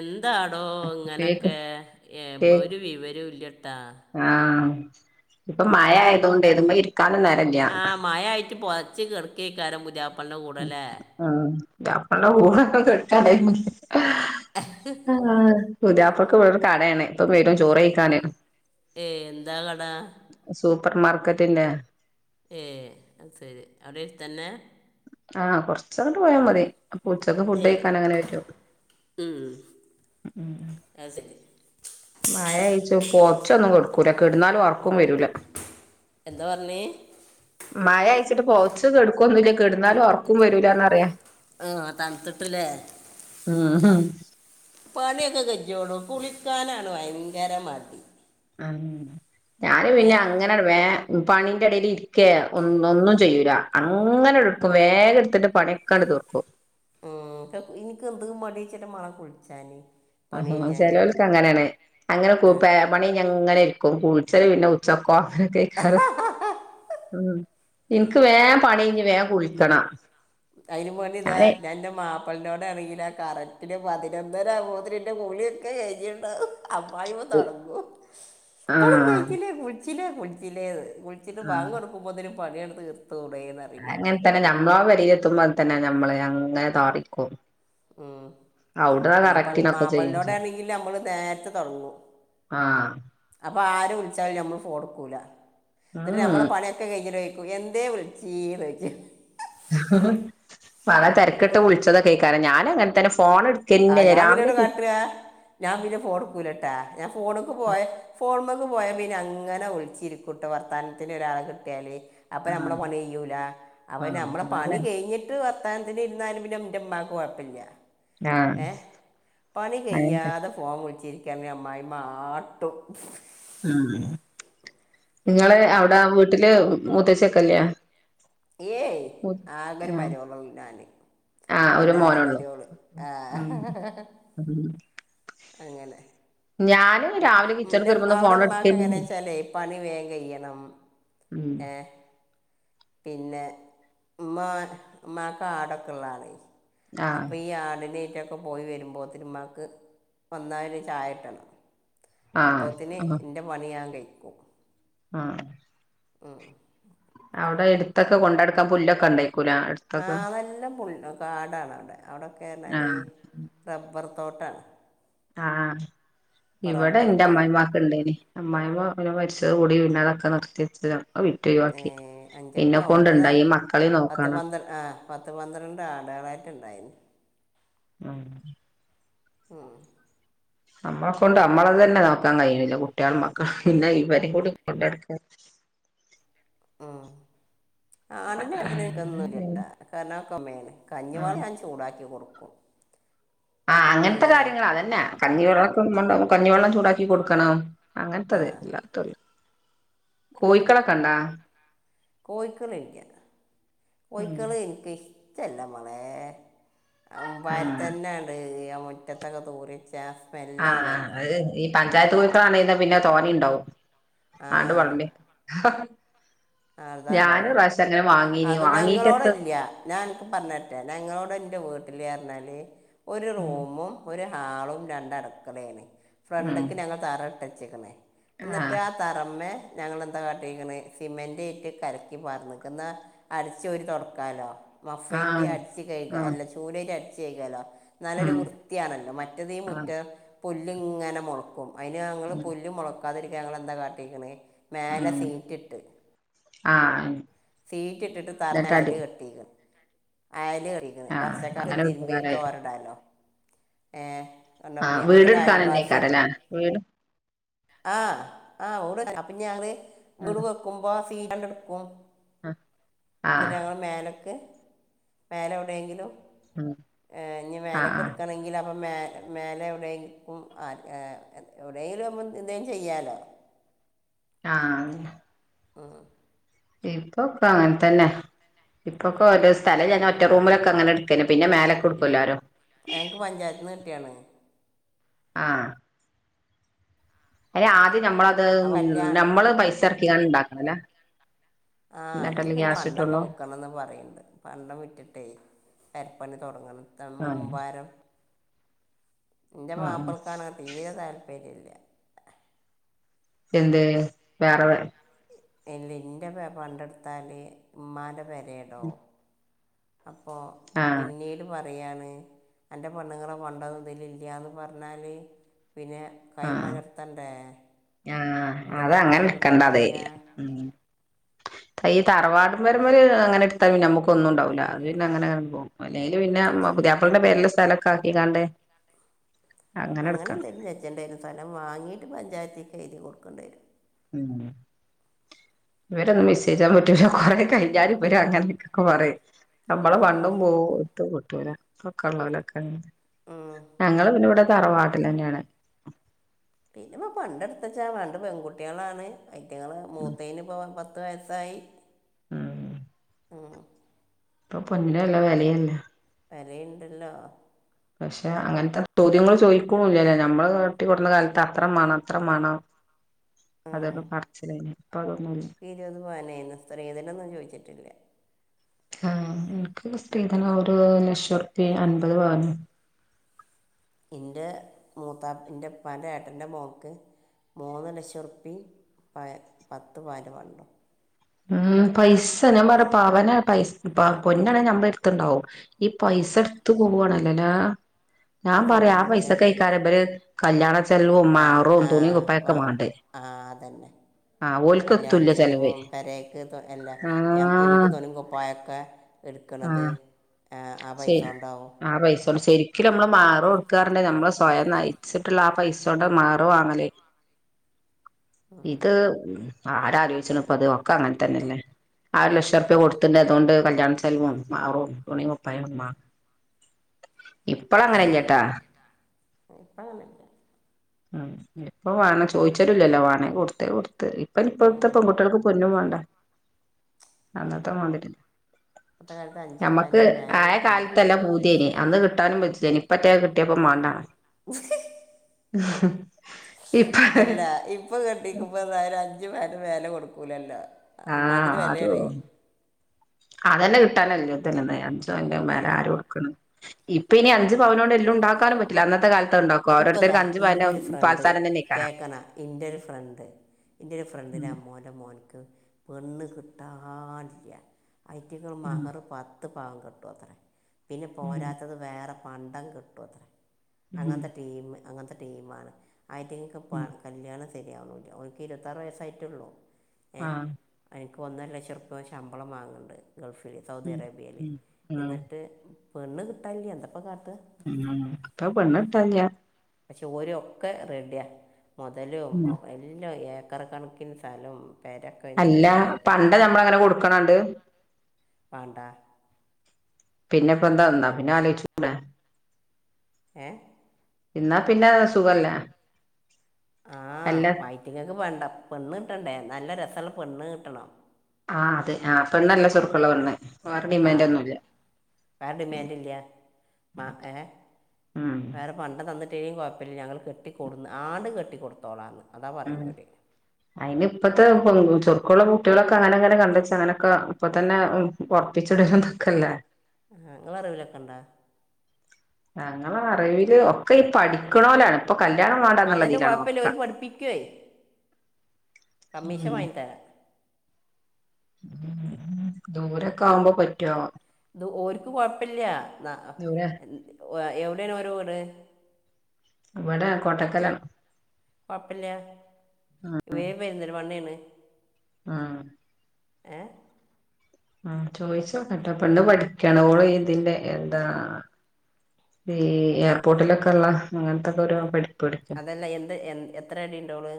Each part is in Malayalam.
എന്താടോ കേക്ക് ഇങ്ങനൊക്കെ ഏ കേക്ക് ഒരു വിവരവും ഇല്ലട്ടാ ആഹ് ഇപ്പൊ മഴ ആയതുകൊണ്ട് ഇത്പേ ഇരിക്കാനും നേരല്ല ആ മഴ [unintelligible] അല്ലേ [unintelligible] കെടക്കാനായി ആ പുത്യ പ്പളക്ക് ഇവിടെ ഒരു കടയാണ് ഇപ്പൊ വരും ചോറ് കഴിക്കാന് ഏ എന്താ കടാ സൂപ്പർ മാർക്കറ്റിന്റെ ഏ അത് ശരി അവിടെ തന്നെ ആഹ് കൊറച്ചങ്ങട് പോയാ മതി ഉച്ചക്ക് ഫുഡ് ഏ കഴിക്കാൻ അങ്ങനെ വരുവൊ ഉം, അത് ശരി മഴ കയ്ച്ചു പൊറച്ചൊന്നും കൊടുക്കൂല കെടുന്നാലും ഒർക്കും വരൂല എന്താ പറഞ്ഞേ മഴ അയച്ചിട്ട് പോച്ച് കെടുക്കൊന്നുമില്ല കെടുന്നാലും ഒർക്കും വരൂലന്നറിയ ആഹ തണുത്തിട്ടില്ലേ ഉം പണിയൊക്കെ കഞ്ഞോളും കുളിക്കാനാണ് ഭയങ്കരമടി ആ ഞാന് പിന്നെ അങ്ങനെട വേ പണിന്റെ ഇടയിൽ ഇരിക്കേ ഒന്നും ചെയ്യൂല അങ്ങനെ എടുക്കും വേഗം എടുത്തിട്ട് പണിയൊക്കെടു തീർക്കും ഉം എനിക്ക് എന്ത് മടി ചിട്ട മേളം കുളിച്ചാന് ആഹ ചെലവൽക്ക് അങ്ങനെയാണ് അങ്ങനെ കൂ ആ പണി ഞങ്ങനെ ക്കും കുളിച്ചലുല്ല ഉച്ചക്കോ ഉം എനിക്ക് വേം പണിഞ് വേം കുളിക്കണം അതിന് മോന് ഇതാ ഞാന് ഞാൻ എന്റെ മാപ്പിളിനോട് ആണെങ്കില കറ പിന്നെ പതിനൊന്നര ആകുമ്പോതിന് എന്റെ കുളിയൊക്കെ കഴിഞ്ഞിണ്ടാവും അമ്മായിയമ്മ തൊടങ്ങൂ ഇപ്പളും ആഹ് കയിച്ചില്ലേ കുടിച്ചില്ലേ കുടിച്ചില്ലേ കുളിച്ചിട്ട് ആഹ് ബാങ്ക് കൊടുമ്പോതേന് പണിയങ്ങട് തീർക്കും അങ്ങനെ തന്നെ ഞമ്മള് പെരിയില എത്തുമ്പോ തന്നെ മ്മള് അങ്ങനെ താറിക്കും ഉം ഔട്ന്നാ മാപ്പൾ കറക്റ്റിനൊക്കെ ചെയ്യും മാപ്പളിനോടെ ചെയ്യും ആണെങ്കില് നമ്മള് നേരത്തെ തുടങ്ങും ആഹ് അപ്പ ആരു വിളിച്ചാലും ഞമ്മള് ഫോൺടുക്കൂല. ന്നിട്ട് നമ്മളെ പണിയൊക്കെ കഴിഞ്ഞിട്ടേയിരിക്കും എന്തേ വിളിച്ചീ ചോയ്ക്കും പല തെരക്കിട്ട് വിളിച്ചതൊക്കെയ്ക്കാരം ഞാനും അങ്ങനെ തന്നെ ഫ് ആ ഞാൻ പിന്നെന്താ കാട്ട്വാ. ഞാൻ പിന്നെ ഫോൺ ഇടുക്കൂലട്ടാ. ഞാൻ ഫോണക്ക് പോയാ ഫോൺമ്മ ക്ക് പോയാ പിന്നെ അങ്ങനെ വിളിച്ചിരിക്കും ട്ടോ. വർത്താനത്തിന് ഒരാളെ കിട്ട്യാല് അപ്പ ഞമ്മടേ ആഹ് പണി കയ്യൂല. അപ്പ ആഹ് ഞമ്മടെ പണി അതന്നെ കെയ്ഞ്ഞിട്ട് അ ത്താനത്തിന് ഇരുന്നാലും പിന്നെന്റെമ്മാക്ക് കൊഴപ്പല്ല്യ. ആഹ് ഏ പണി അങ്ങനത്തെ കയ്യാതെ ഫോൺ വിളിച്ചിരിക്കാണെങ്കിൽ അമ്മായിമ്മ ആട്ടും. ഉം ങ്ങള് ഏ അവടെ വീട്ടില് മൂത്തച്ചിയൊക്കേല്ല്യ? ഏയ് ആഗൊരു ആഹ് മരോളേള്ളൂ ഞാന് ആഹ് ഒരു പൊന്നാര മോനള്ളു മര്വോള്. ആ ഉം ഉം അങ്ങനെ ഞാന് രാവിലെ കിച്ചണക്ക് ന്റെ വരുമ്പോന്നും ഫോൺ അവടെമ്മാക്ക് എടുക്കന്നെ എങ്ങനേച്ചാലേ പണി വേം കയ്യണം ഉം ഏ പിന്നെ ഇമ്മാ ഇമ്മാക്ക് ആടൊക്കൊള്ളാണേ. ആഹ് അപ്പ ഈ ആടിനെയ്റ്റൊ ക്ക പോയി വരുമ്പോത്തിന് ഇമ്മാക്ക് വന്നാല് ഒരു ചായട്ടണം ആഹ് അപ്പോത്തിന് ഇന്റെ പണി ഞാൻ കയ്ക്കും ആ ഉം അവ്ടെ എടുത്തൊക്കെ കൊണ്ട്ടക്കാൻ പുല്ലൊക്കേണ്ടോ? ആ നല്ലപുൽ കാടാണ് അവടെ. അവടൊക്കെ ന്ന് പറഞ്ഞാല് ആഹ് റബ്ബർ തോട്ടാണ് ആ ഇവടെ ഇന്റെ റബ്ബർക്കാണ് അമ്മായിമ്മ ആക്ക്ണ്ടേന് അമ്മായിമ്മ മരിച്ചോട്കൂടി പിന്ന അതൊക്കെ നിർത്തിവെച്ചതാ. അത് വിറ്റ് ഒയ് വാക്കി. അഞ്ചെട്ട് ഒമ്പതാ [inaudible] പത്ത് പന്ത്ര ആ പത്ത്‌ പന്ത്രണ്ട് ആട് ളാ ക്കെണ്ടായിന് ആ ഓ നമ്മളെ കൊണ്ട് നമ്മളത് തന്നെ നോക്കാൻ കയ്യിണില്ല കുട്ട്യോളും മക്കളും. പിന്നെ ഇവരിം കൂടി കൊണ്ടടുക്ക ആ... ഉം ആടിന്റെ കാര്യത്തില് ഇനിക്ക് ഒന്നും ആഹ് ഇല്യട്ടാ. കാരണക്കൊമ്മേണ്. കഞ്ഞി വള്ളം ആഹ് ഞാൻ ചൂടാക്കി കൊടുക്കും. ആ അങ്ങനത്തെ വൈകുന്നേരം കാര്യങ്ങള് അതന്നെ. കഞ്ഞിവെള്ളംക്കെന്ന്ണ്ടാവും കഞ്ഞിവെള്ളം ചൂടാക്കി കൊടുക്കണം. ആ അങ്ങൻത്തത് അല്ലാത്തല്ലാ കോഴിക്കളൊക്കെണ്ടാ? കോയ്ക്കൾ ഇല്ല്യ. കോയ്ക്കള് ഇനിക്ക് ഇഷ്ടല്ല മാളേ. ആഹ് മുമ്പാരത്തന്നേണ് ഈയ മുറ്റത്തൊക്കെ തൂറി ആ അത് ഈ പഞ്ചായത്ത് കോഴിക്കാളാണേല് ആ പിന്നെ തോനേണ്ടാവും. ആണ്ട് വളമ്പി ആതാണോ? ഞാനും ഒറാശ്യം അങ്ങനെ വാങ്ങീനി അത് ഞങ്ങളോട വാങ്ങീട്ടെത്ത ഇല്ല്യ. ഞാൻ അനക്ക് പറഞ്ഞരട്ടെ ഞങ്ങളോട് ഇന്റെ വീട് ട് പറഞ്ഞാല് ഒര് ഉം റൂമും ഒര് ഹാളും രണ്ടടക്കളയാണ്. ഉം ഫ്രണ്ടക്ക് ഞങ്ങള് തറ ഇട്ടച്ചിക്ക്ണ്. ന്നിട്ട് ആഹ് ആ തറമ്മേ ഞങ്ങൾ എന്താ കാട്ടിക്ക്ണ് സിമെൻ ന്റ്ട്ട് കലക്കി പാർന്ന്ക്കാ. ഇന്നാ അടിച്ചോരി തൊടക്കാലോ. മഫയറ്റ് ആഹ് അടച്ച്കഴ്കാ ആഹ് അല്ല ചൂലൈറ്റ് അടിച്ച് കഴ്കാലോ. നല്ലൊരു ഉം വൃത്തിയാണല്ലോ മറ്റത് ഈ ആഹ് മുറ്റം പുല്ല്ങ്ങനെ മോളയ്ക്കും. അതിന് ഞങ്ങൾ ഉം പുല്ല് മൊളക്കാതിരിക്കാൻ ഞങ്ങൾന്താ കാട്ടിക്ക്ണ് മേലെ സീറ്റിട്ട് ആ ആ സീറ്റ് ഇട്ടിട്ട് [unintelligible] കെട്ടിക്. ഏ [unintelligible] ആഹ് വർഷക്കാലത്ത് അങ്ങനെ തിരുമ്പിയത് ഉപകാരായി തോരടാലോ ഏ... കണ്ടോ? ആഹ എന്നിട്ട് വീടെടുക്കൻ നെന്നെയ് ക്കാരംല്ലെ വീട്... ആഹ് ആഹ് ഓ അപ്പൊ ഞങ്ങള് വിീടു ആഹ് വെക്കുമ്പോ സീണ്ട എടുക്കും ആഹ് എ ആഹ് ഞങ്ങൾ മേലക്ക മേലെ എവിടെയെങ്കിലും ഉം എ ഇഞ് മേലൊക്കെ ആഹ് എടുക്കണെങ്കിൽ അപ്പം മേലെ എവിടെയെങ്കും എവിടെയെങ്കിലും എന്തേും ചെയ്യാലോ ആ അതെ ആ ഇപ്പൊക്ക അങ്ങനെത്തന്നെ ഇപ്പൊക്കെ ഒരു സ്ഥലം ഞാൻ ഒറ്റ റൂമിലൊക്കെ അങ്ങനെ എടുക്കെന്നെ പിന്നെ മേലൊക്കെ കൊടുക്കല്ലോരോ ഞങ്ങൾക്ക് പഞ്ചായത്തിൽ നിന്ന് കിട്ടിയാണ് ആ ഏ ആദ്യം നമ്മളത് അപ്പം കല്യാണം നമ്മള് പൈസ ഇറക്കിക്കാണ് ഉണ്ടാക്കണല്ലേ ആഅ എന്നിട്ടല്ലേ പിന്നെ ഗ്യാസ് പണ്ടൊക്കെ കിട്ടുള്ളൂ വിക്കണന്ന് പറയണ്ട് പണ്ട വിട്ടിട്ടേ പണി തുടങ്ങണം ആഹ് മുമ്പാരം എന്റെ ആഹ് ആഹ് മാപ്പിൾക്കാണെങ്കെ തീരെ താല്പര്യം ഇല്ല എന്ത് വേറെ വേ ല്ല എറെ പ പണ്ടെടുത്താല് ഉമ്മാന്റെ പേരടോ അപ്പോ ആഹ് പിന്നീല പറ [unintelligible] അന്റെ പെണ്ണിങ്ങളെ പണ്ടൊന്നും ഇതിലില്ല ന്ന് പറഞ്ഞല് പിന്നെ കൈമലർത്തണ്ടേ ആ അത അങ്ങനെക്കണ്ടതെ ഈ തറവാടമ്പ വരമ്പര് അങ്ങനെ എടുത്താ നമുക്കൊന്നും ഉണ്ടാവില്ല അത്ന്നെ അങ്ങനെന അല്ലെല് പിന്നെ പുതിയാപ്പളന്റെ പേരില് സ്ഥലൊക്കെ ആക്കി കണ്ടേ അങ്ങനെ എന്തേലും ചേഞ്ചണ്ടിയേറും സ്ഥലം വാങ്ങീട്ട് പഞ്ചായത്തേക്ക് എഴുതി കൊടുക്കൻഡിയെരും കൊടുക്കേണ്ട വരും ഉം ഇവരൊന്ന് വിസ്വയിച്ചൻ പറ്റൂല കൊറെ കഴിഞ്ഞൽ ഇവര അങ്ങനെയൊക്കൊക്കെ പറയും നമ്മള ആ പണ്ടും പോ ഇട്ട് പൊട്ടൂല പൊക്കെ ഉള്ളവലൊക്കെ ഉം. ഞങ്ങള് പിന്നെ ഇവിടെ തറവാട്ടിൽ തന്നെയാണ് പിന്നെ ഇപ്പ പണ്ടെടുത്തച്ചാ വേണ്ട് പെൺകുട്ടികളാണ് ഐറ്റങ്ങള്ൾ മൂത്തേന് ഇപ്പ പത്ത് വയസായി മ്മ് ഇപ്പൊ പൊന്നിന വല്ല വിലയല്ല വലയുണ്ടല്ലോ പക്ഷെ അങ്ങനത്തെ ചോദ്യങ്ങൾ ചോദിക്കില്ലല്ലേ നമ്മള് കട്ടിിക്കടന്ന കാലത്ത് അത്ര മേണം അത്ര മേണം അതൊക്കെ പറച്ചിലായി ഇക്ക് ഇരുപത് പവനെനി സ്ത്രീ തനൊന്നും ചോദിച്ചിട്ടില്ല ആഎനിക്ക് സ്ത്രീധന ഒരു ലക്ഷംറപിഎം അൻപത് പവനും ഇന്റെ മൂത്താ എന്റെപ്പാൻറെ ഏട്ടറെ മോക്ക് മൂന്ന് ലക്ഷംറുപ്പിയ പ പത്ത് പാല് പണ്ടോ ഉം പൈസ ഞാ പറ പവന പൈസ പൊന്നാണെ നമ്മള എടുത്തണ്ടാവും ഈ പൈസ എടുത്ത പോവവാണല്ലോല്ലേ ഞാൻ പറയാ ആ പൈസ കഴിക്കാരര് കല്യാണ ചെലവും ക മാറും തുണി ആഹ വ കുപ്പായൊക്കെ മാണ്ടേ ആഹ അതന്നെ ആഹ് ഓൽക്കത്തല്ല ചെിലവ് അല്ല എനിക്ക് തോണിം കൊപ്പായൊക്കെ എടുക്കണത് ആഹ് ആ, ആ പൈസ ശരി കൊണ്ടാവും ആ പൈസ ശരി ശരിക്കും നമ്മള് മാഹറ് കൊടുക്കാറണെ നമ്മള് സ്വയം നയിച്ചിട്ടുള്ള ആ പൈസ കൊണ്ട് മാഹറ് വാങ്ങലേ ഇത് ആറ് ലക്ഷം ഉർപ്യ കൊടുത്തിട്ട്ണ്ട് അതുകൊണ്ട് കല്യാണ ചെലവും മഹറും തുണീം കുപ്പായോം മാ ഇപ്പളങ്ങനെല്ല്യട്ടാ ഇപ്പം അങ്ങനെയല്ല ഉം ഇപ്പൊ വേണ ചോദിച്ചരുല്ലല്ലോ വേണേ കൊടുത്തെ കൊടുത്ത് ഇപ്പ ആ ഇപ്പഴത്തെ പെൺകുട്ടികൾക്ക് പൊന്നും വേണ്ട അന്നത്തെ വാണ്ടിട്ടി ഇപ്പോഴത്തെ കാലത്ത് അഞ്ച് നമ്മക്ക് പവനിൽ മേലെ ആയ കൊടുക്കണില്ല കാലത്തല്ല പൂതിയേന് അന്ന് കിട്ടാനും വെച് ജനിപ്പറ്റെ കിട്ടിയപ്പോ മാണ്ടാ അതല്ല ഇപ്പൊ കെട്ടിക്കുമ്പ എന്തായാലും അഞ്ചു പവന്റെ മേലെ കൊടുക്കൂലല്ലോ ആഹ് അമ്മാതിരി അതൂ വിലയാണ് അതന്നെ കിട്ടാനല്ലേത്തന്നെ അന്നേ അഞ്ചവന്റെ മാല ആര് കൊട്ക്ക്ന്ന് ഇപ്പൊ ഇനി അഞ്ച് പവനോണ്ട് എല്ലുണ്ടാക്കാനും പറ്റില്ല അന്നത്തെ കാലത് ഇപ്പ ദാ ഇന്റെ ഒരു ഫ്രണ്ട് തന്നെ ഇക്കാരം കേക്കണാ ഇന്റെ ഒരു ഫ്രണ്ട് ഇന്റെയൊരു ഫ്രണ്ടിന്റെ ഉം അമ്മോന്റെ മോന്ക്ക് പെണ്ണ് കിട്ടാനില്ല. അയിറ്റിങ്ങള് ഉം മഹറ് പത് ത്ത് പവൻ കെട്ടുവത്രെ. പിന്നെ ഉം പോരാത്തത് വേറെ പണ്ടം കെട്ടുവത്രേ ഉം അങ്ങനത്തെ ടീമാണ്. അയിറ്റിങ്ങക്ക് പ ഉം കല്യാണ ശരിയാവുന്നില്ല. ഓനിക്ക് ഇരുപത്താറ് വയസ്സായിട്ടെള്ളൂ. ഏഹ് ആഹ് അയി ക്ക് ഒന്നര ലക്ഷം ഉർപ്യ ഓൻ ശമ്പളം വാങ്ങ്ണ്ട് ഗൾഫില് സൗദി ഉം അറേബ്യേല്. ഉം ഉം എന്നിട്ട് പെണ്ണ് കിട്ടാനില്ല എന്തപ്പ കാട് ഉം ഇപ്പ പെണ്ണ് കിട്ടാനില്ല്യ പക്ഷെ ഓര് ഒക്കെ റെഡിയാ. മൊതലും ഉം എല്ലാം ഏ ക്കറ് കണക്കിന് സലം അല്ല പണ്ട് നമ്മളങ്ങനെ കൊട്ക്കണോണ്ട് പാണ്ടാ പിന്നെ ഇപ്പൊ എന്താ? എന്നാ പിന്നെ ആലോയിച്ചൂടെ ഏ? എന്നാ പിന്നെ സുഖല്ലേ? ആഹ് അല്ല അയ്റ്റിങ്ങക്ക് വേണ്ട. പെണ്ണ് കിട്ടണ്ടേ? നല്ല രസള്ള പെണ്ണ് കിട്ടണം ആ അതെ ആ പെണ്ണല്ല ചൊറുക്കുള്ള പെണ്ണ്. വേറെ ആ ഡിമാൻഡൊന്നുല്ല വേറെ ഡിമാൻഡില്ലാ ഏഹ്? ഉം വേറെ പണ്ടം തന്നി തേയും കൊഴപ്പില്ല. ഞങ്ങള് കെട്ടിക്കൊടുന്ന് ആട്ന്ന് കെട്ടിക്കൊടുത്തോളാന്ന് അതാ ഉം പറയണവര് അയിന് ഇപ്പത്തെ പെൺ ചൊറുക്കുള്ള കുട്ട്യേളൊക്കെ അങ്ങനെ അങ്ങനെ കണ്ടച്ച് അങ്ങനെയൊക്കെ അപ്പൊ തന്നെ ഒറപ്പിച്ചിടരുന്നതൊക്കല്ലേ ഉം നിങ്ങളെ അറിവിലൊക്കണ്ടോ? ഞങ്ങള അറിവില് ഒക്കെ ഈ പഠിക്കണോലാണ് ഇപ്പൊ കല്യാണം വേണ്ടാന്നുള്ള അതന്നെ ഇതിലാണ് കുഴപ്പമില്ല ഒക്കെ ഒരു പഠിപ്പിക്കുവേ കമ്മീഷൻ വാങ്ങിത്തരാ ദൂരൊക്കെ ആവുമ്പോ പറ്റ്വോ? ഇത് ഓര്ക്ക് കൊഴപ്പില്ല്യാ. ആ ദൂരെ എവിടാണ് ഓരെ വീട്? ഇവിടെ കോട്ടക്കലാ കൊഴപ്പില്ല ഇവര് പെരിന്തൽമണ്ണേണ് ആഹ് ഏ ഉം ചോയിച്ചോക്ക്ട്ടോ പെണ്ണ് പഠിക്കാണ്. ഓള് ഇതിന്റെ എന്താ ഈ എയർപോർട്ടിലൊക്കെ ഉള്ള അങ്ങനത്തൊക്കെ ഒരു പഠി അതല്ല എന്ത് എ എത്ര അടി ഉണ്ടോള്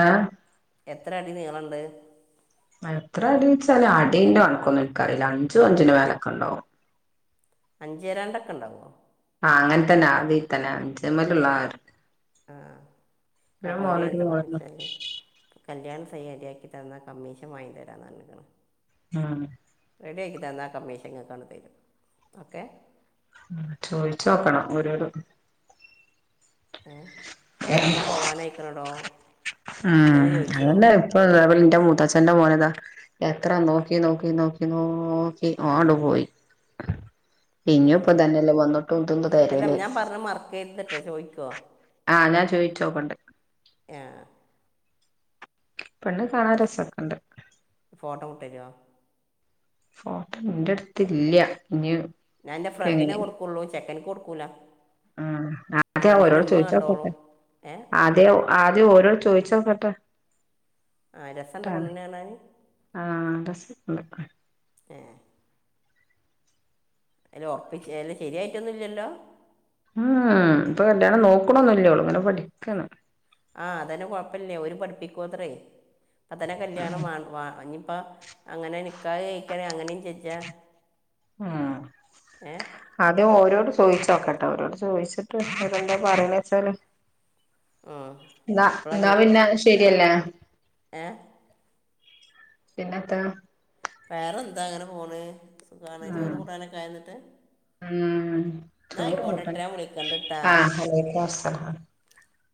ആഹ് എത്ര അടി നീളണ്ട്? ഇത്ര അടിച്ചാല് അടിന്റെ കൺക്കൊന്നും ഇൻക്കറീല അഞ്ചും അഞ്ചിന്റെ മേലൊക്കെ ഇണ്ടാകും അഞ്ചേരണ്ടൊക്കെ ഇണ്ടാവോ? അങ്ങൻ തന്നെ അതി തന്നെ അഞ്ചമ്മലുള്ള ആഹ് ഒരു കബോര് മോനൊരു എന്താ മോളു പർന്നേച്ചാല് കല്യാണ [unintelligible] ശരിയാക്കി തന്നാ കമ്മീഷൻ വാങ്ങി തരാന്ന് പർഞ്ക്ക്ണ് ആഹ് റെഡി ആക്കി തന്നാ കമ്മീഷൻ ഇങ്ങക്കണ്ട് തരും ഓക്കെ ചോയ്ച്ചോക്കണം ഒരോര് ഏഹ് ചെക്കൻ പോവാനയ്ക്ക്‌ണടോ ഉം അതന്നെ [unintelligible] ത്തച്ഛന്റെ മോനതാ എത്ര നോക്കി നോക്കി നോക്കി നോക്കി ഓണ്ട് പോയി ആ ഇഞ്ഞും പ്പ തന്നെല്ലേ വന്നുട്ടും ഇതും അല്ല തെര്യല് ഞാൻ പറഞ്ഞ മറക്കരുതിട്ടോ ചോദിക്കോ ആഹ് ഞാൻ ചോയ്ച്ചോക്കട്ടെ [unintelligible] പെണ്ണ് കാണാ ആ, രസക്ക്ണ്ട് ഫോട്ടോ വിട്ടുതരുമോ ഫോട്ടോ ഇന്റെട്ത്ത് ഇല്ല ഇഞ് ഞാൻന്റെ ഫ്രണ്ടിനെ കൊടുക്കൊള്ളൂ ചെക്കന് കൊടുക്കൂല ഉം ആദ്യം ഫ്രണ്ടിൻ്റെ ഓരോട് ഉമ്മ കണ്ടോളും ചോദിച്ചാക്കട്ടെ ഏ ആദ്യ ആദ്യം ഓരോട് ചോദിച്ച് ട്ടോക്കട്ടെ ആ രസമുണ്ട് ട്ടാ പെണ്ണിനെ കാണാൻ ആഹ് ഡ്രസ്സ്‌ ണ്ട് [unintelligible] ഏ അല്ല ഒർപ്പിച്ച് അല്ല ശെരിയായിട്ടൊന്നുല്ല്യല്ലോ ഉം ഉം ഇപ്പൊ കല്ല്യാണം നോക്കണൊന്നൂല്ല്യോള് ഇങ്ങനെ പഠിക്കാണ് ആഹ് അതന്നെ കൊഴപ്പല്ല്യ ഓര് പഠിപ്പിക്കുവത്രേയ് ഇപ്പത്തന്നെ കല്ല്യാണം വാൻ വാ ഇഞ്ഞി അപ്പ അങ്ങനെ നിക്കാഹ് കഴിക്കാണെങ്കി അങ്ങനെയും ചെജ്ജാ ഉം അത് ഓരോട് ചോദിച്ചു ച്ചോക്കട്ടെ അവരോട് ചോദിച്ചിട്ട് അതെന്താ പറിണ്ച്ചാല് ന്നാ എപ്പോഴാ ന്നാ പിന്നെ ശരിയല്ലേ ഏ പിന്നെത്താ വേറെന്താ ഇങ്ങനെ പോണ് സുഖാണ് ഉം ചോറുംകൂട്ടാനൊക്കെ ആയോന്നിട്ട് [unintelligible]